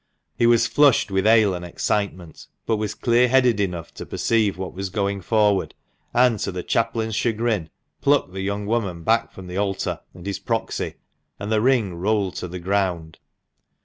He was flushed with ale and excitement, but was clear headed enough to perceive what was going forward, and to the chaplain's chagrin, plucked the young woman back from the altar and his proxy, and the ring rolled to the ground.